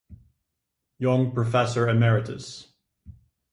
Young Professor "Emeritus".